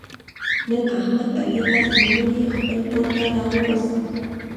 نن احمد علي لاس نیولی خپل کورته را وست.